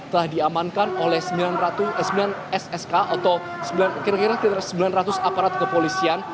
telah diamankan oleh sembilan ratus sembilan ssk atau kira kira sembilan ratus aparat kepolisian